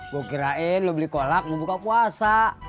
gue kirain lo beli kolak mau buka puasa